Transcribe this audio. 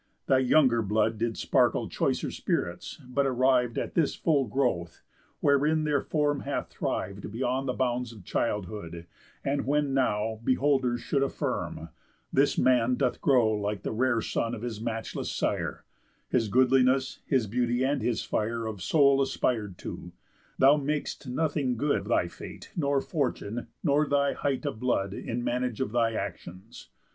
Thy younger blood Did sparkle choicer spirits; but, arriv'd At this full growth, wherein their form hath thriv'd Beyond the bounds of childhood, and when now, Beholders should affirm, 'This man doth grow Like the rare son of his matchless Sire, (His goodliness, his beauty, and his fire Of soul aspir'd to)' thou mak'st nothing good Thy fate, nor fortune, nor thy height of blood, In manage of thy actions.